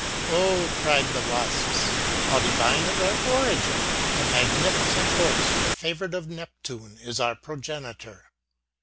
'^ Oh/' cried the wasps, " how divine is our origin ! The magnificent horse, the favorite of Neptune, is our progenitor."